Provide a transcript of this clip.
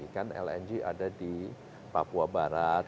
kan lng ada di papua barat